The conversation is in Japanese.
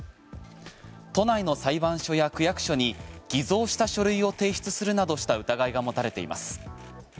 都内の裁判所や区役所に偽造した書類を提出するなどした疑いが持たれています。